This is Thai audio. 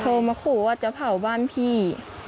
มาขู่ว่าจะเผาบ้านพี่